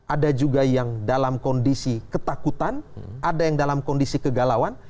ada juga yang dalam kondisi ketakutan ada yang dalam kondisi kegalauan